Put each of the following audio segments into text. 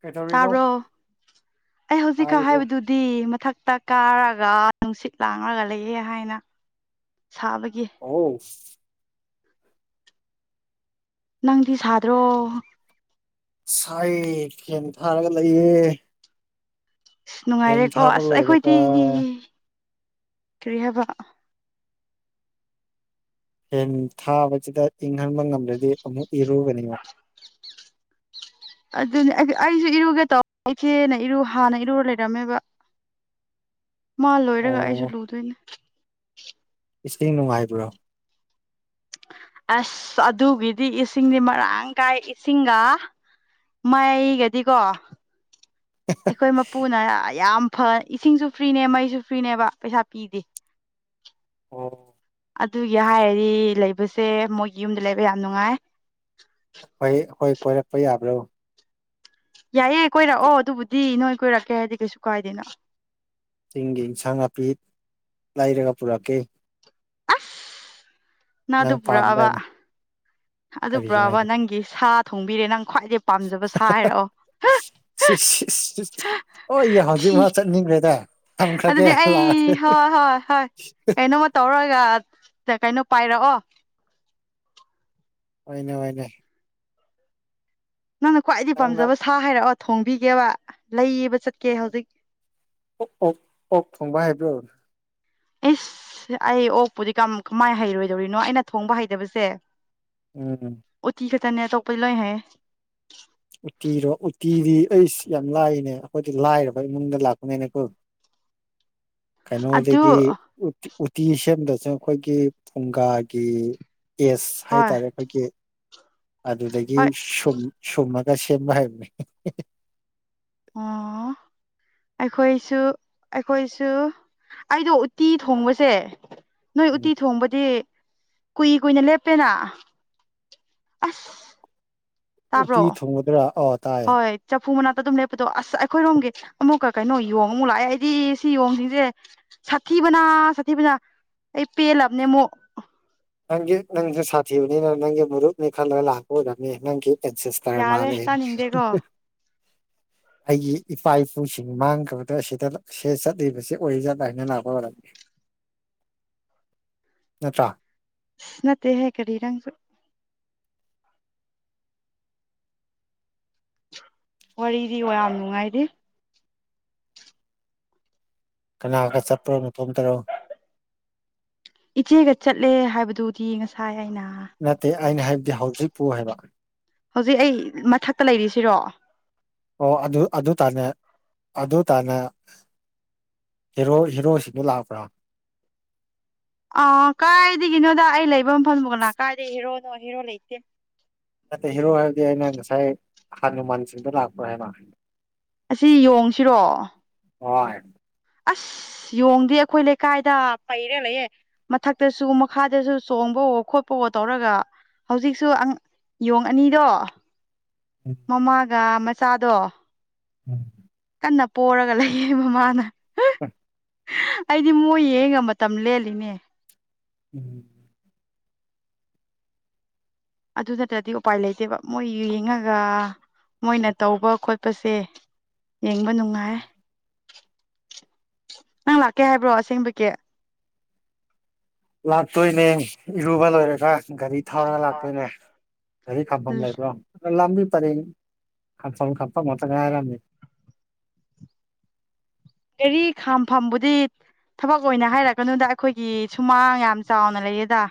ꯀꯩꯗꯧꯔꯤꯅꯣ ꯇꯥꯕ꯭ꯔꯣ ꯑꯩ ꯍꯧꯖꯤꯛꯀ ꯇꯥꯔꯤꯕꯣ ꯍꯥꯏꯕꯗꯨ ꯗꯤ ꯃꯊꯛꯇ ꯀꯥꯔꯒ ꯅꯨꯡꯁꯤꯠ ꯂꯥꯡꯂꯒ ꯂꯩꯌꯦ ꯍꯥꯏꯅ ꯁꯥꯕꯒꯤ ꯑꯧ ꯅꯪꯗꯤ ꯁꯥꯗ꯭ꯔꯣ ꯁꯥꯏꯌꯦ ꯐꯦꯟ ꯊꯥꯔꯒ ꯂꯩꯌꯦ ꯑꯁ [unintelligible] ꯐꯦꯟ ꯅꯨꯡꯉꯥꯏꯔꯦꯀꯣ ꯊꯥꯕ ꯑ‍‍꯭ꯁ ꯑꯩꯈꯣꯏꯗꯤ ꯂꯣꯏꯔꯒ ꯀꯔꯤ ꯍꯥꯏꯕ ꯐꯦꯟ ꯊꯥꯕꯁꯤꯗ ꯏꯪꯍꯟꯕ ꯉꯝꯗ꯭ꯔꯗꯤ ꯑꯃꯨꯛ ꯏꯔꯨꯕꯅꯦꯕ [unintelligible] ꯑꯗꯨꯅꯦ ꯑꯩꯁꯨ ꯑꯩꯁꯨ ꯏꯔꯨꯒꯦ ꯇꯧ ꯏꯆꯦꯅ ꯏꯔꯨ ꯍꯥꯟꯅ ꯏꯔꯨꯔ ꯂꯩꯔꯝꯃꯦꯕ [inaudible] ꯃꯥ ꯂꯣꯏꯔꯒ ꯑꯩꯁꯨ ꯑꯣ ꯂꯨꯗꯣꯏꯅꯤ ꯏꯁꯤꯡ ꯅꯨꯡꯉꯥꯏꯕ꯭ꯔꯣ ꯑ꯭ꯁ ꯑꯗꯨꯒꯤꯗꯤ ꯏꯁꯤꯡꯗꯤ ꯃꯔꯥꯡ ꯀꯥꯏ ꯏꯁꯤꯡꯒ ꯃꯩꯒꯗꯤꯀꯣ ꯑꯩꯈꯣꯏ ꯃꯄꯨꯅ ꯌꯥꯝ ꯐ ꯏꯁꯤꯡꯁꯨ ꯐ꯭ꯔꯤꯅꯦ ꯃꯩꯁꯨ ꯐ꯭ꯔꯤꯅꯦꯕ ꯄꯩꯁꯥ ꯄꯤꯗꯦ ꯑꯣ ꯑꯗꯨꯒꯤ ꯍꯥꯏꯔꯗꯤ ꯂꯩꯕꯁꯦ ꯃꯣꯏꯒꯤ ꯌꯨꯝꯗ ꯂꯩꯕ ꯌꯥꯝ ꯅꯨꯡꯉꯥꯏ ꯍꯣꯏ ꯑꯩꯈꯣꯏ ꯀꯣꯏꯔꯛꯄ ꯌꯥꯕ꯭ꯔꯣ ꯌꯥꯏꯌꯦ ꯀꯣꯏꯔꯛꯑꯣ ꯑꯗꯨꯕꯨꯗꯤ ꯅꯣꯏ ꯀꯣꯏꯔꯛꯀꯦ ꯍꯥꯏꯗꯤ ꯀꯩꯁꯨ ꯀꯥꯏꯗꯦꯅ ꯆꯤꯡꯒꯤ ꯏꯟꯁꯥꯡ ꯅꯥꯄꯤ ꯂꯩꯔꯒ ꯄꯨꯔꯛꯀꯦ ꯑꯁ ꯅꯪ ꯑꯗꯨ ꯄꯨꯔꯛꯑꯕ ꯑꯗꯨ ꯀꯔꯤꯒꯤꯅꯣ ꯄꯨꯔꯛꯑꯕ ꯍꯥꯏꯁꯤꯕꯣ ꯅꯪꯒꯤ ꯁꯥ ꯊꯣꯡꯕꯤꯔꯦ ꯅꯪ ꯈ꯭ꯋꯥꯏꯗꯩ ꯄꯥꯝꯖꯕ ꯁꯥ ꯍꯥꯏꯔꯛꯑꯣ ꯑꯣꯏ ꯊꯤ ꯍꯧꯖꯤꯛꯃꯛ ꯆꯠꯅꯤꯡꯈ꯭ꯔꯦꯗ ꯊꯝꯈ꯭ꯔꯒꯦ ꯑꯗꯨꯗꯤ ꯑꯩ ꯂꯥꯛꯑꯒꯦ ꯍꯣꯏ ꯍꯣꯏ ꯍꯣꯏ ꯀꯩꯅꯣꯃ ꯇꯧꯔꯒ ꯀꯩꯅꯣ ꯄꯥꯏꯔꯛꯑꯣ ꯍꯣꯏꯅꯦ ꯍꯣꯏꯅꯦ ꯅꯪꯅ ꯈ꯭ꯋꯥꯏꯗꯒꯤ ꯅꯪꯅ ꯄꯥꯝꯖꯕ ꯁꯥ ꯍꯥꯏꯔꯛꯑꯣ ꯊꯣꯡꯕꯤꯒꯦꯕ ꯂꯩꯕ ꯆꯠ ꯎꯝ ꯑꯣ [inaudible] ꯑꯣꯛ [inaudible] ꯑꯣꯛ ꯊꯣꯡꯕ ꯍꯥꯏꯕ꯭ꯔꯣ ꯏꯁ ꯑꯩ ꯑꯣꯛꯄꯨꯗꯤ ꯀꯝ ꯀꯃꯥꯏ ꯍꯩꯔꯣꯏꯗꯧꯔꯤꯅꯣ ꯑꯩꯅ ꯊꯣꯡꯕ ꯍꯩꯇꯕꯁꯦ ꯎꯝ ꯎꯠꯇꯤ ꯈꯛꯇꯅꯦ ꯑꯇꯣꯞꯄꯗꯤ ꯂꯣꯏ ꯍꯩꯌꯦ ꯎꯇꯤꯔꯣ ꯎꯇꯤꯗꯤ ꯑꯩꯁ ꯌꯥꯝ ꯂꯥꯏꯅꯦ ꯑꯩꯈꯣꯏꯗꯤ ꯂꯥꯏꯔꯕ ꯏꯃꯨꯡꯗ ꯂꯥꯛꯄꯅꯤꯅꯀꯣ [inaudible] ꯑꯗꯨ ꯀꯩꯅꯣꯗꯒꯤ ꯎꯇꯤ ꯎꯇꯤ ꯁꯦꯝꯗꯨꯏꯖꯦ ꯑꯩꯈꯣꯏꯒꯤ ꯐꯨꯡꯒꯥꯒꯤ ꯑꯦꯁ ꯍꯣꯏ ꯍꯥꯏꯇꯥꯔꯦ ꯑꯩꯈꯣꯏꯒꯤ ꯑꯗꯨꯗꯒꯤ ꯍꯣꯏ ꯁꯨꯝ ꯁꯨꯝꯃꯛ ꯁꯦꯝꯕ ꯍꯥꯏꯕꯅꯦ [unintelligible] ꯑꯣ ꯑꯩꯈꯣꯏꯁꯨ ꯑꯩꯈꯣꯏꯁꯨ ꯑꯩꯗꯣ ꯎꯠꯇꯤ ꯊꯣꯡꯕꯁꯦ ꯅꯣꯏ ꯎꯇꯤ ꯊꯣꯡꯕꯗꯤ ꯀꯨꯏ ꯀꯨꯏꯅ ꯂꯦꯞꯄꯦꯅ ꯑꯁ ꯎꯇꯤ ꯇꯥꯕ꯭ꯔꯣ ꯊꯣꯡꯒꯗ꯭ꯔꯥ ꯑꯥ ꯇꯥꯏꯌꯦ ꯑꯣꯏ ꯆꯐꯨ ꯃꯅꯥꯛꯇ ꯑꯗꯨꯝ ꯂꯦꯞꯄꯗꯣ ꯑꯁ ꯑꯩꯈꯣꯏꯔꯣꯝꯒꯤ ꯑꯃꯨꯛꯀ ꯀꯩꯅꯣ ꯌꯣꯡ ꯑꯃꯨꯛ ꯂꯥꯛꯑꯦ ꯑꯩꯗꯤ ꯁꯤ ꯌꯣꯡꯁꯤꯡꯖꯦ ꯁꯥꯊꯤꯕꯅ ꯁꯥꯊꯤꯕꯅ ꯑꯩ ꯄꯦꯜꯂꯕꯅꯦ ꯑꯃꯨꯛ ꯅꯪꯒꯤ ꯅꯪꯁꯨ ꯁꯥꯊꯤꯕꯅꯤꯅ ꯅꯪꯒꯤ ꯃꯔꯨꯞꯅꯤ ꯈꯜꯂꯒ ꯂꯥꯛꯄ ꯑꯣꯏꯔꯝꯅꯤ ꯅꯪꯒꯤ ꯑꯦꯟꯁꯤꯁ ꯇꯔ ꯌꯥꯔꯦ ꯃꯥꯜꯂꯦ ꯇꯥꯅꯤꯡꯗꯦꯀꯣ ꯑꯁ ꯑꯩꯒꯤ ꯏꯄꯥ ꯏꯄꯨꯁꯤꯡ ꯃꯥꯡꯈ꯭ꯔꯕꯗꯣ ꯑꯁꯤꯗ ꯁꯤꯗ ꯆꯠꯂꯤꯕꯁꯦ ꯑꯣꯏꯖꯥꯠꯂ ꯍꯥꯏꯅ ꯂꯥꯛꯄ ꯑꯣꯏꯔꯝꯅꯤ ꯅꯠꯇ꯭ꯔꯥ ꯅꯠꯇꯦꯍꯦ ꯀꯔꯤ ꯅꯪꯁꯨ ꯋꯥꯔꯤꯗꯤ ꯌꯥꯝ ꯅꯨꯡꯉꯥꯏꯔꯤ ꯀꯅꯥꯒ ꯆꯠꯄ꯭ꯔꯣ ꯅꯇꯣꯝꯇꯔꯣ ꯏꯆꯦꯒ ꯆꯠꯂꯦ ꯍꯥꯏꯕꯗꯨꯗꯤ ꯉꯁꯥꯏ ꯑꯩꯅ ꯅꯠꯇꯦ ꯑꯩꯅ ꯍꯥꯏꯕꯗꯤ ꯍꯧꯖꯤꯛꯄꯨ ꯍꯥꯏꯕ ꯍꯧꯖꯤꯛ ꯑꯩ ꯃꯊꯛꯇ ꯂꯩꯔꯤꯁꯤꯔꯣ ꯑꯣ ꯑꯗꯨ ꯑꯗꯨ ꯇꯥꯟꯅ ꯑꯗꯨ ꯇꯥꯟꯅ ꯍꯦꯔꯣ ꯍꯦꯔꯣꯁꯤꯡꯗꯣ ꯂꯥꯛꯄ꯭ꯔꯣ ꯑꯥ ꯀꯥꯏꯗꯒꯤꯅꯣꯗ ꯑꯩ ꯂꯩꯕ ꯃꯐꯝꯕꯣ ꯀꯅꯥ ꯀꯥꯏꯗꯒꯤ ꯍꯦꯔꯣꯅꯣ ꯍꯦꯔꯣ ꯂꯩꯇꯦ ꯅꯠꯇꯦ ꯍꯦꯔꯣ ꯍꯥꯏꯕꯗꯤ ꯑꯩꯅ ꯉꯁꯥꯏ ꯍꯅꯨꯃꯥꯟꯁꯤꯡꯗꯣ ꯂꯥꯛꯄ꯭ꯔꯥ ꯍꯥꯏꯕ ꯑꯁꯤ ꯌꯣꯡꯁꯤꯔꯣ ꯍꯣꯏ ꯑꯁ ꯌꯣꯡꯗꯤ ꯑꯩꯈꯣꯏ ꯂꯩꯀꯥꯏꯗ ꯄꯩꯔ ꯂꯩꯌꯦ ꯃꯊꯛꯇꯁꯨ ꯃꯈꯥꯗꯁꯨ ꯆꯣꯡꯕꯋꯣ ꯈꯣꯠꯄꯋꯣ ꯇꯧꯔꯒ ꯍꯧꯖꯤꯛꯁꯨ ꯌꯣꯡ ꯑꯅꯤꯗꯣ ꯎꯝ ꯃꯃꯥꯒ ꯃꯆꯥꯗꯣ ꯎꯝ ꯀꯟꯅ ꯄꯣꯔꯒ ꯂꯩꯌꯦ ꯃꯃꯥꯅ [unintelligible] ꯑꯩꯗꯤ ꯃꯣꯏ ꯌꯦꯡꯉꯒ ꯃꯇꯝ ꯂꯦꯜꯂꯤꯅꯦ ꯎꯝ ꯑꯗꯨ ꯅꯠꯇ꯭ꯔꯗꯤ ꯎꯄꯥꯏ ꯂꯩꯇꯦꯕ ꯃꯣꯏ ꯌꯦꯡꯉꯒ ꯃꯣꯏꯅ ꯇꯧꯕ ꯈꯣꯠꯄꯁꯦ ꯌꯦꯡꯕ ꯅꯨꯡꯉꯥꯏ ꯅꯪ ꯂꯥꯛꯀꯦ ꯍꯥꯏꯕ꯭ꯔꯣ ꯑꯁꯦꯡꯕꯒꯤ ꯂꯥꯛꯇꯣꯏꯅꯦ ꯏꯔꯨꯕ ꯂꯣꯏꯔꯒ ꯒꯥꯔꯤ ꯊꯧꯔꯒ ꯂꯥꯛꯇꯣꯏꯅꯦ ꯒꯥꯔꯤ ꯈꯥꯝꯐꯝ ꯂꯩꯕ꯭ꯔꯣ ꯂꯝꯕꯤ ꯄꯔꯦꯡ [inaudible] ꯈꯛꯇ ꯉꯥꯏꯔꯝꯅꯤ ꯒꯥꯔꯤ ꯈꯥꯝꯐꯝꯕꯨꯗꯤ ꯊꯕꯛ ꯑꯣꯏꯅ ꯍꯥꯏꯔꯛꯀꯅꯨꯗ ꯑꯩꯈꯣꯏꯒꯤ ꯁꯨꯃꯥꯡ ꯌꯥꯝ ꯆꯥꯎꯅ ꯂꯩꯌꯦꯗ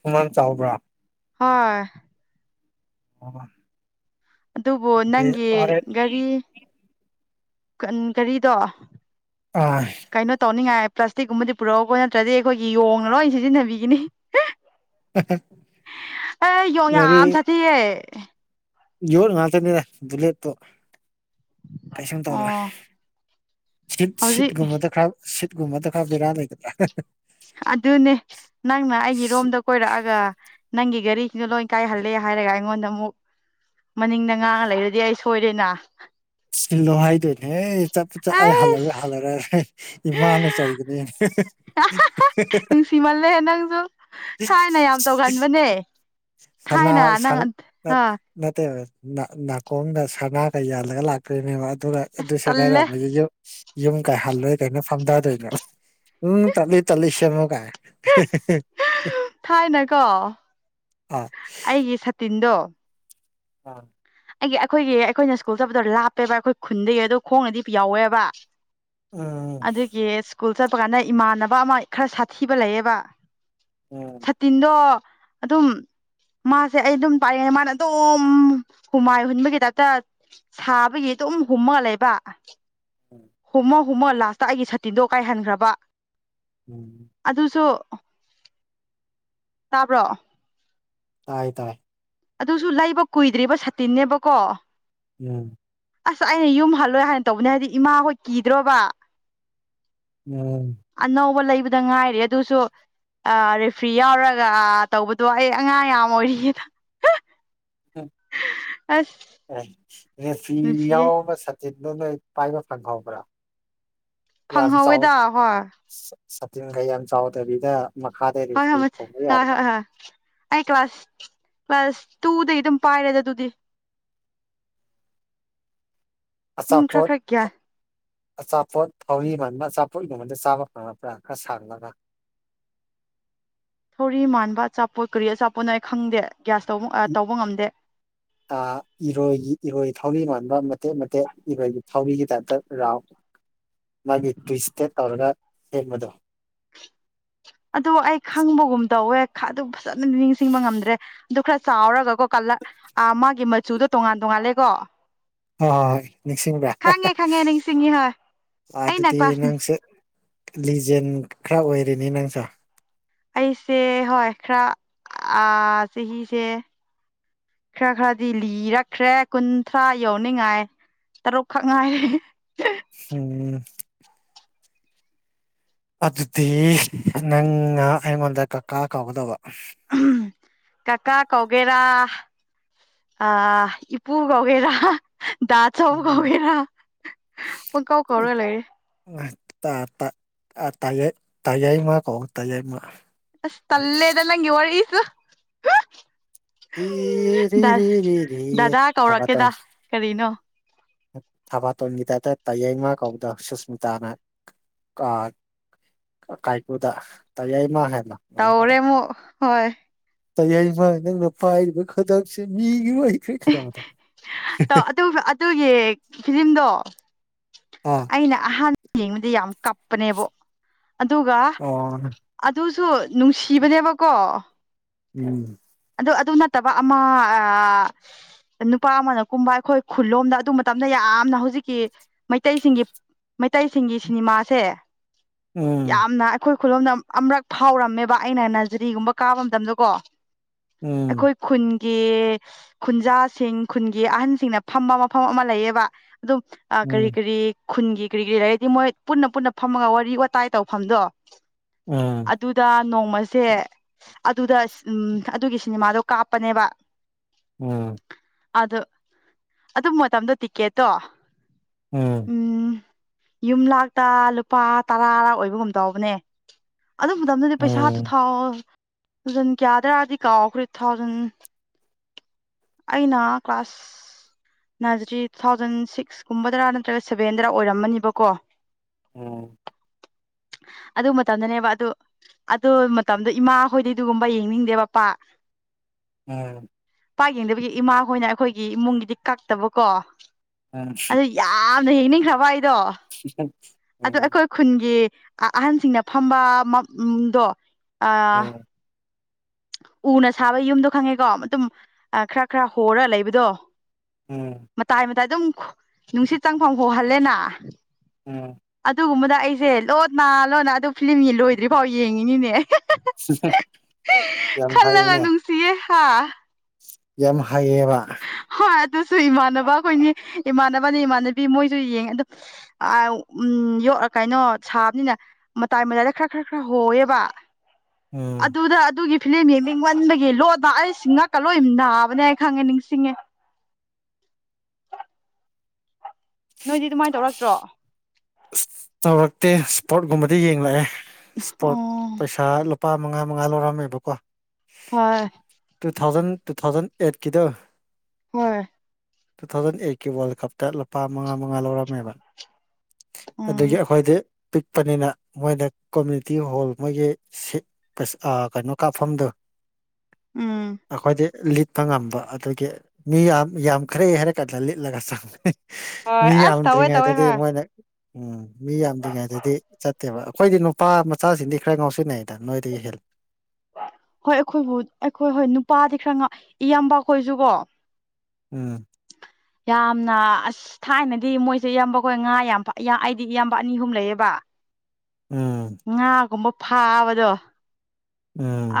ꯁꯨꯃꯥꯡ ꯆꯥꯎꯕ꯭ꯔꯣ ꯍꯣꯏ [inaudible] ꯑꯗꯨꯕꯨ ꯑꯗꯨꯗꯤ ꯅꯪꯒꯤ ꯍꯣꯔꯦꯟ ꯒꯥꯔꯤ ꯒꯥꯔꯤꯗꯣ ꯑꯥ ꯀꯩꯅꯣ ꯇꯧꯅꯤꯡꯉꯥꯏ ꯄ꯭ꯂꯥꯁꯇꯤꯛꯀꯨꯝꯕꯗꯤ ꯄꯨꯔꯛꯑꯣꯀꯣ ꯅꯠꯇ꯭ꯔꯗꯤ ꯑꯩꯈꯣꯏꯒꯤ ꯌꯣꯡꯅ ꯂꯣꯏꯅ ꯁꯤꯖꯤꯟꯅꯕꯤꯒꯤꯅꯤ ꯑꯦ ꯌꯣꯡ ꯒꯥꯔꯤ ꯌꯥꯝ ꯁꯥꯊꯤꯌꯦ ꯌꯣꯠ ꯉꯥꯛꯇꯅꯤꯅ‌ꯦ ꯕꯨꯂꯦꯠ ꯄ꯭ꯔꯨꯞ ꯀꯩꯁꯨꯝ ꯇꯧꯔꫭꯏ ꯑꯣ ꯁꯤꯠ ꯍꯧꯖꯤꯛ ꯁꯤꯠꯒꯨꯝꯕꯗ ꯈꯔ ꯁꯤꯠꯒꯨꯝꯕꯗ ꯈꯔ ꯕꯦꯔꯥ ꯂꯩꯒꯗ꯭ꯔꯥ ꯑꯗꯨꯅꯦ ꯅꯪꯅ ꯑꯩꯒꯤ ꯔꯨꯝꯗ ꯀꯣꯏꯔꯛꯑꯒ ꯅꯪꯒꯤ ꯒꯥꯔꯤꯁꯤꯡꯗꫭ ꯂꯣꯏ ꯀꯥꯏꯍꯜꯂꯦ ꯍꯥꯏꯔꯒ ꯑꯩꯉꯣꯟꯗ ꯑꯃꯨꯛ ꯃꯅꯤꯡꯗ ꯉꯥꯛꯑ ꯂꯩꯔꯗꯤ ꯑꯩ ꯁꯣꯏꯔꯦꯅ ꯁꯤꯜ ꯂꯣ ꯍꯥꯏꯗꫭꯏꯅꯤ ꯍꯦ ꯆꯠꯄꯨ ꯆꯠ ꯑꯩ ꯍꯜꯂꯔꯣꯏ ꯑꯩꯁ ꯍꯜꯂꯔꫭꯏ ꯏꯃꯥꯅ ꯆꯩꯒꯅꯤ [unintelligible] ꯅꯨꯡꯁꯤꯃꯜꯂꯦ ꯅꯪꯁꯨ ꯊꯥꯏꯅ ꯌꯥꯝ ꯇꯧꯒꯟꯕꯅꯦ ꯁꯅꯥ ꯊꯥꯏꯅ ꯅꯪ ꯑ [inaudible] ꯅꯠꯇꯦꯕꯥ ꯅꯥ ꯅꯥꯀꯣꯡꯗ ꯁꯅꯥꯒ ꯌꯥꯜꯂꯒ ꯂꯥꯛ ꯏꯅꯦꯕ ꯑꯗꯨꯒ ꯑꯗꯨ ꯇꯜꯂꯦ ꯁꯦꯒꯥꯏꯔꯛꯑꯃꯦ ꯌꯨꯝ ꯌꯨꯝ ꯀꯩ ꯍꯜꯂꯣꯏ ꯀꯩꯅꯣ ꯐꯝꯊꯗꯣꯏꯅꯦꯕꯥ ꯎꯝ ꯇꯜꯂꯤ ꯇꯜꯂꯤ ꯁ‌ꯦꯝꯃꯨ ꯀꯥꯏꯅ ꯊꯥꯏꯅꯥ ꯀꯣ ꯑꯥ ꯇꯤꯟꯗꫭ ꯑꯥ ꯑꯩꯒꯤ ꯑꯩꯈꯣꯏꯒꯤ ꯑꯩꯈꯣꯏꯅ ꯏꯁ꯭ꯀꯨꯜ ꯆꯠꯄꯗꯣ ꯂꯥꯞꯄꯦꯕ ꯑꯩꯈꯣꯏ ꯈꯨꯟꯗꯒꯤ ꯑꯗꯨ ꯈꯣꯡꯅꯗꯤ ꯌꯥꯎꯋꯦꯕ ꯎꯝ ꯑꯗꯨꯒꯤ ꯏꯁ꯭ꯀꯨꯜ ꯆꯠꯄꯥ ꯀꯥꯟꯗ ꯏꯃꯥꯟꯅꯕ ꯑꯃꯥ ꯈꯔꯥ ꯁꯥꯊꯤꯕ ꯂꯩꯌꯦꯕ ꯎꯝ ꯁꯇꯤꯟꯗꯣ ꯑꯗꯨꯝ ꯃꯥꯁꯦ ꯑꯩ ꯑꯗꯨꯝ ꯄꯥꯏꯌ‌ꯦꯅ ꯃꯥꯅ ꯑꯗꯨꯝ ꯍꯨꯃꯥꯏ ꯍꯨꯟꯕꯒꯤ ꯇꯥꯏꯞꯇꯥ ꯁꯥꯕꯒꯤ ꯑꯗꯨꯝ ꯍꯨꯝꯃꯒ ꯂꯩꯕ ꯎꯝ ꯍꯨꯝꯃꯥ ꯍꯨꯝꯃꯥ ꯂꯥꯁꯇꯥ ꯑꯩꯒꯤ ꯁꯥꯇꯤꯟꯗꯣ ꯀꯥꯏꯍꯟꯈ꯭ꯔꯕꯥ ꯎꯝ ꯑꯗꯨꯁꯨ ꯇꯥꯕ꯭ꯔꯣ ꯇꯥꯏ ꯇꯥꯏ ꯑꯗꯨꯁꯨ ꯂꯩꯕ ꯀꯨꯏꯗ꯭ꯔꯤꯕ ꯁꯇꯤꯟꯅꯦꯕꯀꯣ ꯎꯝ ꯑꯁ ꯑꯩ ꯌꯨꯝ ꯍꯜꯂꯣꯏ ꯍꯥꯏꯅ ꯇꯧꯕꯅꯦ ꯍꯥꯏꯗꯤ ꯏꯃꯥ ꯍꯣꯏ ꯀꯤꯗ꯭ꯔꯣꯕꯥ ꯎꯝ ꯑꯅꯧꯕ ꯂꯩꯕꯗ ꯉꯥꯏꯔꯤꯌꯦ ꯑꯗꯨꯁꯨ ꯑꯥ ꯔꯦꯐ꯭ꯔꯤ ꯌꯥꯎꯔꯒ ꯇꯧꯕꯗꯣ ꯑꯩ ꯑꯉꯥꯡ ꯌꯥꯝ ꯑꯣꯏꯔꯤꯌꯦꯗꯥ ꯎꯝ ꯑꯥꯏ ꯔꯦꯐ꯭ꯔꯤ ꯅꯨꯡꯁꯤꯌꯦ ꯌꯥꯎꯕꯥ ꯁꯥꯠ ꯇꯤꯟꯗꫭ ꯅꯣꯢ ꯄꯥꯢꯕ ꯐꯪ ꯍꯧꯕꯔꯥ ꯐꯪꯍꯧꯋꯦꯗ ꯍꯣꯏ ꯁꯇꯤꯟꯒ ꯌꯥꯝ ꯆꯥꯎꯗꯕꯤꯗ ꯃꯈꯥꯗ ꯍꯣꯏ ꯔꯦꯐ꯭ꯔꯤ ꯍꯣꯏ ꯈꯣꯡꯕ ꯍꯣꯏ ꯍꯣꯏ ꯌꯥꯕꯗꫭ ꯍꯣꯏ ꯑꯩ ꯀ꯭ꯂꯥꯁ ꯀ꯭ꯂꯥꯁ ꯇꯨꯗꯩꯩ ꯑꯗꯨꯝ ꯄꯥꯏꯔꯦꯗ ꯑꯗꯨꯗꯤ ꯑꯗꯨꯝ ꯈꯔ ꯑꯆꯥꯄꯣꯠ ꯈꯔ ꯒ꯭ꯌꯥꯟ ꯊꯞ ꯑꯆꯥꯄꯣꯠ ꯊꯧꯔꯤ ꯃꯥꯟꯕ ꯆꯥꯄꯣꯠ ꯒꯨꯝꯕꯗꯤ ꯆꯥꯕ ꯐꯪꯉꯛꯄ꯭ꯔꯥ ꯈ꯭ꯔ ꯁꯥꯡꯂꯒ ꯊꯧꯔꯤ ꯃꯥꯟꯕ ꯆꯥꯄꯣꯠ ꯀꯔꯤ ꯑꯆꯥꯄꯣꯠꯅꯣ ꯑꯩ ꯈꯪꯗꯦ ꯒ꯭ꯌꯥꯁ ꯇꯧꯕ ꯑꯥ ꯏ- ꯇꯧꯕ ꯉꯝꯗꯦ ꯑꯥ ꯏꯔꯣꯢꯒꯤ ꯏꯔꯣꯢ ꯊꯥꯎꯔꯤ ꯃꯥꯟꯕ ꯃꯇꯦꯛ ꯃꯇꯦꯛ ꯏꯔꯣꯢꯒꯤ ꯊꯥꯎꯔꯤꯒꯤ ꯇꯥꯢꯞꯇ ꯔꯥꯎꯟ ꯃꯥꯒꯤ ꯇ꯭ꯨꯋꯤꯁꯇꯦꯠ ꯇꯧꯔꯒ ꯁꯦꯝꯕꯗꯣ ꯑꯗꯨ ꯑꯩ ꯈꯪꯕꯒꯨꯝ ꯇꯧꯋꯦ ꯈꯥ ꯗꯨ ꯐꯖꯅ ꯅꯤꯡꯁꯤꯡꯕ ꯉꯝꯗ꯭ꯔꯦ ꯑꯗꯨ ꯈ꯭ꯔ ꯆꯥꯎꯔꯒꯀꯣ ꯀꯥꯂꯥ ꯑꯥ ꯃꯥꯒꯤ ꯃꯆꯨꯗꯨ ꯇꯣꯉꯥꯟ ꯇꯣꯉꯥꯟꯂꯦꯀꯣ ꯍꯣꯏ ꯅꯤꯡꯁꯤꯡꯕ꯭ꯔꯥ ꯍꯥ ꯅꯤꯡꯁꯤꯡꯉꯤ ꯍꯣꯏ ꯍꯥ ꯑꯩꯅ ꯑꯗꯨꯗꯤ ꯀ꯭ꯂꯥꯁ ꯅꯪꯁꯦ ꯂꯤꯖꯦꯟ ꯈ꯭ꯔ ꯑꯣꯢꯔꯦꯅꯦ ꯅꯪꯁꯦ ꯑꯩꯁꯦ ꯍꯣꯏ ꯈ꯭ꯔ ꯑꯥ ꯆꯍꯤꯁꯦ ꯈ꯭ꯔ ꯈ꯭ꯔꯗꯤ ꯂꯤꯔꯛꯈ꯭ꯔꯦ ꯀꯨꯟꯊ꯭ꯔꯥ ꯌꯧꯅꯤꯡꯉꯥꯢ ꯇꯔꯨꯛꯈꯛ ꯉꯥꯢꯔꯦ ꯐꯨꯝ ꯑꯗꯨꯗꯤ ꯅꯪꯅ ꯑꯩꯉꯣꯟꯗ ꯀꯀꯥ ꯀꯧꯒꯗꯕ ꯎꯝ ꯀꯀꯥ ꯀꯧꯒꯦꯔꯥ ꯑꯥ ꯏꯄꯨ ꯀꯧꯒꯦꯔꯥ ꯍꯥ ꯗꯥ ꯆꯧ ꯎꯝ ꯀꯧꯒꯦꯔꯥ ꯄꯨꯡ ꯀꯧ ꯀꯧꯔ ꯂꯩꯔꯦ ꯉꯥ ꯇꯥ ꯇꯥꯥ ꯑꯥ ꯇꯥꯌꯩ ꯇꯌꯩꯃ ꯀꯣ ꯇꯌꯩꯃ ꯑꯁ ꯇꯜꯂꯦꯗ ꯅꯪꯒꯤ ꯋꯔꯤꯁꯨ [unintelligible] ꯗ ꯗꯗꯥ ꯊꯕꯥꯇꯣꯟ ꯀꯧꯔꯛꯀꯦꯗ ꯀꯔꯤꯅꯣ ꯊꯕꯥꯇꯣꯟꯒꯤ ꯇꯥꯢꯞꯇ ꯇꯌꯦꯡꯃ ꯀꯧꯕꯗꯣ ꯁꯨꯁꯃꯤꯇꯥꯅ ꯀꯥ ꯀꯥꯢꯀꯨꯗ ꯇꯌꯩꯃ ꯍꯥꯢꯅ ꯇꯧꯔꯦꯃꯨꯛ ꯍꯣꯢ ꯇꯌꯩꯃ ꯅꯪꯅ ꯄꯥꯏꯔꯤꯕ ꯈꯗꯥꯡꯁꯦ ꯃꯤꯒꯤ ꯑꯣꯏ ꯑꯦ ꯇꯣ ꯑꯗꯨꯕ ꯑꯗꯨꯒꯤ ꯐꯤꯂꯤꯝꯗꯣ ꯑꯣ ꯑꯩꯅ ꯑꯍꯥꯟ [inaudible] ꯌꯦꯡꯕꯗ ꯌꯥꯝ ꯀꯞꯄꯅꯦꯕꯣ ꯑꯗꯨꯒ ꯑꯣ ꯑꯗꯨꯁꯨ ꯅꯨꯡꯁꯤꯕꯅꯦꯕꯀꯣ ꯎꯝ ꯑꯗꯨ ꯑꯗꯨ ꯅꯠꯇꯕ ꯑꯃ ꯑꯥ ꯅꯨꯄꯥ ꯑꯃꯅ ꯀꯨꯝꯕ ꯑꯩꯈꯣꯏ ꯈꯨꯜꯂꯣꯝꯗ ꯑꯗꯨ ꯃꯇꯝꯗ ꯌꯥꯝꯅ ꯍꯧꯖꯤꯛꯀꯤ ꯃꯩꯇꯩꯁꯤꯡꯒꯤ ꯃꯩꯇꯩꯁꯤꯡꯒꯤ ꯁꯤꯅꯤꯃꯥꯁꯦ ꯎꯝ ꯌꯥꯝꯅ ꯑ ꯈꯣꯢ ꯈꯨꯂꯣꯝꯗ ꯑꯃ꯭ꯔꯛ ꯐꯥꯎꯔꯝꯃꯦꯕ ꯑꯩꯅ ꯅꯖꯔꯤꯒꯨꯝꯕ ꯀꯥꯕ ꯃꯇꯝꯗ ꯀꯣ ꯎꯝ ꯑꯩꯈꯣꯏ ꯈꯨꯟꯒꯤ ꯈꯨꯟꯖꯥꯁꯤꯡ ꯈꯨꯟꯒꯤ ꯑꯍꯟꯁꯤꯡꯅ ꯐꯝꯕ ꯃꯐꯝ ꯑꯃ ꯂꯩꯌꯦꯕ ꯑꯗꯨꯝ ꯑꯥ ꯀꯔꯤ ꯎꯝ ꯀꯔꯤ ꯈꯨꯟꯒꯤ ꯀꯔꯤ ꯀꯔꯤ ꯂꯩꯔꯗꯤ ꯃꯣꯏ ꯄꯨꯟꯅ ꯄꯨꯟꯅ ꯐꯝꯃꯒ ꯋꯥꯔꯤ ꯋꯥꯇꯥꯏ ꯇꯧꯐꯝꯗꯣ ꯎꯝ ꯑꯗꯨꯗ ꯅꯣꯡꯃꯁꯦ ꯑꯗꯨꯗ ꯎꯝ ꯑꯗꯨꯒꯤ ꯁꯤꯅꯦꯃꯥꯗꯣ ꯀꯥꯞꯄꯅꯦꯕ ꯎꯝ ꯑꯗꯨ ꯑꯗꯨ ꯃꯇꯝꯗꯣ ꯇꯤꯀꯦꯠꯇꯣ ꯎꯝ ꯎꯝ ꯌꯨꯝ ꯂꯥꯛꯇ ꯂꯨꯄꯥ ꯇꯔꯥ ꯑꯣꯏꯕꯒꯨꯝ ꯇꯎꯕꯅꯦ ꯑꯗꯨ ꯃꯇꯝꯗꯗꯤ ꯄꯩꯁꯥ ꯎꯝ ꯇꯨꯊꯥꯎ ꯖꯟ ꯀꯌꯥꯗ꯭ꯔꯥꯗꯤ ꯀꯥꯎꯈ꯭ꯔꯦ ꯊꯥꯎꯖꯟ ꯑꯩꯅ ꯀ꯭ꯂꯥꯁ ꯅꯖꯤꯔꯤ ꯇꯨ ꯊꯥꯎꯖꯟ ꯁꯤꯛꯀꯨꯝꯕꯗꯔ ꯅꯠꯇ꯭ꯔꯒ ꯁꯕꯦꯟꯗꯔ ꯑꯣꯏꯔꯝꯃꯅꯤꯕꯀꯣ ꯎꯝ ꯑꯗꯨ ꯃꯇꯝꯗꯅꯦꯕ ꯑꯗꯨ ꯑꯗꯨ ꯃꯇꯝꯗꯣ ꯏꯃꯥ ꯍꯣꯏꯗꯤ ꯑꯗꯨꯒꯨꯝꯕ ꯌꯦꯡꯅꯤꯡꯗꯦꯕ ꯄꯥꯛ ꯎꯝ ꯄꯥ ꯌꯦꯡꯗꯕꯤꯒꯤ ꯏꯃꯥ ꯍꯣꯏꯅ ꯑꯩꯈꯣꯏꯒꯤ ꯏꯃꯨꯡꯒꯤꯗꯤ ꯀꯛꯇꯕꯀꯣ ꯑꯗꯨ ꯌꯥꯝꯅ ꯌꯦꯡꯅꯤꯡꯈ꯭ꯔꯕ ꯑꯩꯗꯣ [unintelligible] ꯑꯗꯣ ꯎꯝ ꯑꯩꯈꯣꯏ ꯈꯨꯟꯒꯤ ꯑꯍꯟꯁꯤꯡꯅ ꯐꯝꯕꯗꯣ ꯃ ꯗꯣ ꯑꯥ ꯎꯝ ꯎꯅ ꯁꯥꯕ ꯌꯨꯝꯗꯣ ꯈꯪꯉꯦꯀꯣ ꯃꯇꯨꯡ ꯈꯔ ꯈꯔ ꯍꯣꯔ ꯂꯩꯕꯗꯣ ꯎꯝ ꯃꯇꯥꯏ ꯃꯇꯥꯏ ꯑꯗꯨꯝ ꯅꯨꯡꯁꯤꯠ ꯆꯪꯐꯝ ꯍꯣꯍꯜꯂꯦꯅ ꯎꯝ ꯑꯗꯨꯒꯨꯝꯕꯗ ꯑꯩꯁꯦ ꯂꯣꯠꯅ ꯂꯣꯟꯅ ꯑꯗꯨ ꯐꯤꯂꯝꯒꯤ ꯂꯣꯏꯗ꯭ꯔꯤꯐꯥꯎ ꯌꯦꯡꯉꯤꯅꯤꯅꯦ [unintelligible] ꯌꯥꯝ ꯈꯜꯂꯒ ꯍꯩꯅꯦ ꯅꯨꯡꯁꯤꯌꯦ ꯍꯥ ꯌꯥꯝ ꯍꯩꯌꯦꯕ ꯍꯣꯏ ꯑꯗꯨꯁꯨ ꯏꯃꯥꯟꯅꯕ ꯑꯩꯈꯣꯏꯅꯤ ꯏꯃꯥꯟꯅꯕꯅꯤ ꯏꯃꯥꯟꯅꯕꯤ ꯃꯣꯏꯁꯨ ꯌꯦꯡꯉꯦ ꯑꯗꯨ ꯑ ꯎꯝ ꯌꯣꯛꯑ ꯀꯩꯅꯣ ꯁꯥꯕꯅꯤꯅ ꯃꯇꯥꯏ ꯃꯇꯥꯏꯗ ꯈꯔ ꯈꯔ ꯈꯔ ꯍꯣꯌꯦꯕ ꯎꯝ ꯑꯗꯨꯗ ꯑꯗꯨꯒꯤ ꯐꯤꯂꯦꯝ ꯌꯦꯡꯅꯤꯡꯃꯟꯕꯒꯤ ꯂꯣꯠꯅ ꯑꯩꯁꯤ ꯉꯛꯀ ꯂꯣꯏ ꯅꯥꯕꯅꯦ ꯍꯥꯏ ꯈꯪꯉꯦ ꯅꯤꯡꯁꯤꯡꯉꯦ ꯅꯣꯏꯗꯤ ꯑꯗꯨꯃꯥꯏꯅ ꯇꯧꯔꯛꯇ꯭ꯔꯣ ꯆꯥꯎꯧꯔꯛꯇꯦ ꯏꯁꯄꯣꯔꯠ ꯀꯨꯝꯕꯗꯤ ꯌꯦꯡꯂꯛꯑꯦ ꯑꯣ ꯏꯁꯄꯣꯔꯠ ꯄꯩꯁꯥꯂꯣ ꯂꯨꯄꯥ ꯃꯉꯥ ꯃꯉꯥ ꯂꯧꯔꯝꯃꯦꯕꯀꯣ ꯍꯣꯏ ꯇꯨ ꯊꯥꯎꯖꯟ ꯇꯨ ꯊꯥꯎꯖꯟ ꯑꯩꯠꯀꯤꯗꯣ ꯍꯣꯏ ꯇꯨ ꯊꯥꯎꯖꯟ ꯑꯩꯠꯀꯤ ꯋꯥꯔꯜ ꯀꯞꯇ ꯂꯨꯄꯥ ꯃꯉꯥ ꯃꯉꯥ ꯂꯧꯔꯝꯃꯦꯕ ꯑꯗꯒꯤ ꯎꯝ ꯑꯈꯣꯏꯗꯤ ꯄꯤꯛꯄꯅꯤꯅ ꯃꯣꯏꯅ ꯀꯣꯃꯨꯅꯤꯇꯤ ꯍꯣꯜ ꯃꯣꯏꯒꯤ ꯁꯤꯠ ꯀꯩꯅꯣ ꯀꯥꯞꯐꯝꯗꯨ ꯎꯝ ꯑꯈꯣꯏꯗꯤ ꯂꯤꯠꯄ ꯉꯝꯕ ꯑꯗꯒꯤ ꯃꯤ ꯌꯥꯝ ꯌꯥꯝꯈ꯭ꯔꯦ ꯍꯥꯏꯔ ꯀꯥꯟꯗ ꯂꯤꯠꯂꯒ ꯆꯪꯕꯅ ꯍꯣꯏ ꯃꯤ ꯑꯁ ꯇꯧꯋꯦ ꯇꯧꯋꯦ ꯌꯥꯝꯗ꯭ꯔꯤꯉꯩꯗꯗꯤ ꯍꯣꯏ ꯍꯣꯏ ꯃꯣꯏꯅ ꯎꯝ ꯃꯤ ꯌꯥꯝꯗ꯭ꯔꯤꯉꯩꯗꯗꯤ ꯆꯠꯇꯦꯕ ꯑꯈꯣꯏꯗꯤ ꯅꯨꯄꯥ ꯃꯆꯥꯁꯤꯡꯗꯤ ꯈꯔ ꯉꯥꯎꯁꯤꯟꯅꯩꯗ ꯅꯣꯏꯗꯒꯤ ꯍꯦꯜ ꯍꯣꯏ ꯑꯈꯣꯏꯕꯨ ꯑꯩꯈꯣꯏ ꯍꯣꯏ ꯅꯨꯄꯥꯗꯤ ꯈꯔ ꯏꯌꯥꯝꯕꯈꯣꯏꯁꯨ ꯀꯣ ꯎꯝ ꯌꯥꯝꯅ ꯑꯁ ꯊꯥꯏꯅꯗꯤ ꯃꯣꯏꯁꯦ ꯏꯌꯥꯝꯕꯈꯣꯏ ꯉꯥ ꯌꯥꯝ ꯐꯥ ꯌꯥ ꯑꯩꯗꯤ ꯏꯌꯥꯝꯕ ꯑꯅꯤ ꯑꯍꯨꯝ ꯂꯩꯌꯦꯕ ꯎꯝ ꯉꯥ ꯒꯨꯝꯕ ꯐꯥꯕꯗꯣ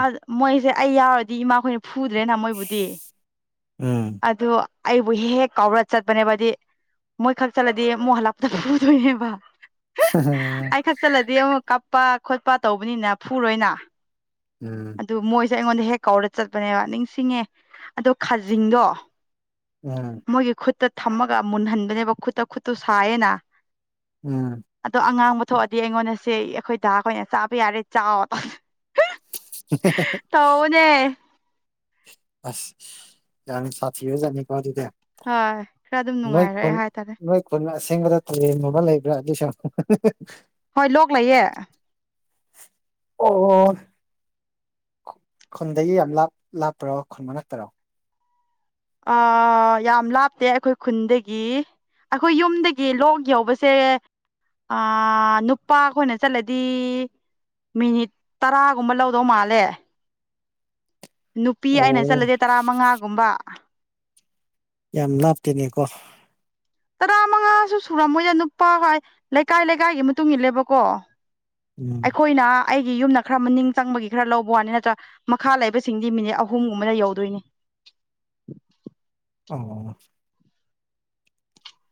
ꯑ ꯃꯣꯏꯁꯦ ꯑꯩ ꯌꯥꯎꯔꯗꯤ ꯏꯃꯥꯈꯣꯏ ꯐꯨꯗ꯭ꯔꯦꯅ ꯃꯣꯏꯕꯨꯗꯤ ꯎꯝ ꯑꯗꯣ ꯑꯩꯕꯨ ꯍꯦꯛ ꯍꯦꯛ ꯀꯥꯎꯔ ꯆꯠꯄꯅꯦꯕ ꯑꯗꯨꯏ ꯃꯣꯏꯈꯛ ꯆꯠꯂꯗꯤ ꯃꯨꯛ ꯍꯜꯂꯛꯄꯗ ꯐꯨꯗꯣꯏꯅꯦꯕ ꯑꯩ [unintelligible] ꯈꯛ ꯆꯠꯂꯗꯤ ꯑꯃꯨꯛ ꯀꯞꯄ ꯈꯣꯠꯄ ꯇꯧꯕꯅꯤꯅ ꯐꯨꯔꯣꯏꯅ ꯎꯝ ꯑꯗꯨ ꯃꯣꯏꯁꯦ ꯑꯩꯉꯣꯟꯗ ꯍꯦꯛ ꯀꯧꯔ ꯆꯠꯄꯅꯦꯕ ꯅꯤꯡꯁꯤꯡꯉꯦ ꯑꯗꯣ ꯈꯖꯤꯡꯗꯣ ꯎꯝ ꯃꯣꯏꯒꯤ ꯈꯨꯠꯇ ꯊꯝꯃꯒ ꯃꯨꯟꯍꯟꯕꯅꯦꯕ ꯈꯨꯠꯇ ꯈꯨꯠꯇꯨ ꯁꯥꯏꯌꯦꯅ ꯎꯝ ꯑꯗꯣ ꯑꯉꯥꯡꯕ ꯊꯣꯛꯑꯗꯤ ꯑꯩꯉꯣꯟꯗꯁꯦ ꯑꯩꯈꯣꯏ ꯗꯥꯈꯣꯏꯅ ꯆꯥꯕ ꯌꯥꯔꯦ ꯆꯥꯎ [unintelligible] ꯇꯥ ꯉꯧꯅꯦ ꯑꯁ ꯌꯥꯅꯤ ꯁꯥꯊꯤꯕ ꯖꯥꯅꯤꯀꯣ ꯑꯗꯨꯗꯤ ꯍꯣꯏ ꯈꯔ ꯑꯗꯨꯝ ꯅꯨꯡꯉꯥꯏꯔꯛꯑꯦ ꯍꯥꯏꯇꯥꯔꯦ ꯈꯨꯟꯁꯤꯡꯕꯗ ꯇꯨꯔꯦꯟ ꯒꯨꯝꯕ ꯂꯩꯕ꯭ꯔꯥ ꯑꯗꯨꯁꯨ ꯍꯣꯏ ꯂꯣꯛ ꯂꯩꯌꯦ ꯑꯣ ꯈꯨꯟꯗꯒꯤ ꯌꯥꯝ ꯂꯥꯞ ꯂꯥꯞꯄ꯭ꯔꯣ ꯈꯨꯟ ꯃꯅꯥꯛꯇꯔꯣ ꯑ ꯌꯥꯝ ꯂꯥꯞꯇꯦ ꯑꯩꯈꯣꯏ ꯈꯨꯟꯗꯒꯤ ꯑꯩꯈꯣꯏ ꯌꯨꯝꯗꯒꯤ ꯂꯣꯛ ꯌꯎꯧꯕꯁꯦ ꯑ ꯅꯨꯄꯥ ꯈꯣꯏꯅ ꯆꯠꯂꯗꯤ ꯃꯤꯅꯤꯠ ꯇꯔꯥꯒꯨꯝꯕ ꯂꯧꯗꯧ ꯃꯥꯜꯂꯦ ꯅꯨꯄꯤ ꯑꯩꯅ ꯑꯣ ꯆꯠꯂꯗꯤ ꯇꯔꯥ ꯃꯉꯥꯒꯨꯝꯕ ꯌꯥꯝ ꯂꯥꯞꯇꯦꯅꯦꯀꯣ ꯇꯔꯥ ꯃꯉꯥꯁꯨ ꯁꯨꯔꯝꯃꯣꯏꯌꯦ ꯅꯨꯄꯥ ꯍꯣꯏ ꯂꯩꯀꯥꯏ ꯂꯩꯀꯥꯏꯒꯤ ꯃꯇꯨꯡ ꯏꯤꯜꯂꯦꯕꯀꯣ ꯎꯝ ꯑꯩꯈꯣꯏꯅ ꯑꯩꯒꯤ ꯌꯨꯝꯅ ꯈꯔ ꯃꯅꯤꯡ ꯆꯪꯕꯒꯤ ꯈꯔ ꯂꯧꯕ ꯋꯥꯅꯤ ꯅꯠꯇ꯭ꯔ ꯃꯈꯥ ꯂꯩꯕꯁꯤꯡꯗꯤ ꯃꯤꯅꯤꯠ ꯑꯍꯨꯝꯒꯨꯝꯕꯗ ꯌꯧꯗꯣꯏꯅꯤ ꯑꯣ